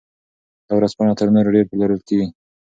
دا ورځپاڼه تر نورو ډېر پلورل کیږي.